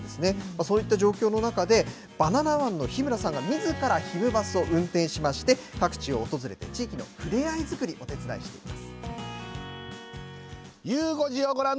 そういった状況の中で、バナナマンの日村さんがみずからひむバスを運転しまして、各地を訪れ地域の触れ合い作り、お手伝いしています。